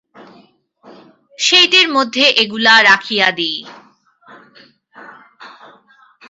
সেইটের মধ্যে এগুলা রাখিয়া দিই।